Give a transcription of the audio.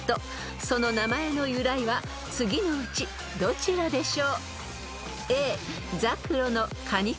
［その名前の由来は次のうちどちらでしょう］